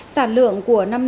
sản lượng của năm nay